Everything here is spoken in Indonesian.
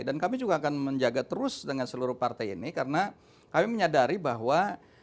dan kami juga akan menjaga terus dengan seluruh partai ini karena kami menyadari bahwa